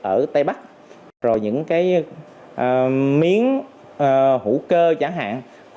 ở tây bắc rồi những cái miếng hữu cơ chẳng hạn